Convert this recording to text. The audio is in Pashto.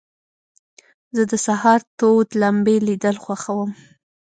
زه د سهار تود لمبې لیدل خوښوم.